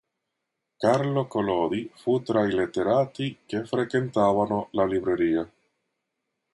Carlo Collodi fu tra i letterati che frequentavano la libreria.